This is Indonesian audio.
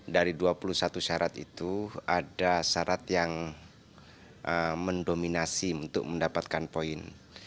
dari dua puluh satu syarat itu ada syarat yang mendominasi untuk mendapatkan poin